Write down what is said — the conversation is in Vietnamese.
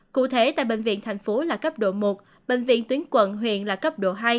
cụ thể tại bệnh viện thành phố là cấp độ một bệnh viện tuyến quận huyện là cấp độ hai